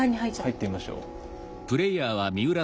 入ってみましょう。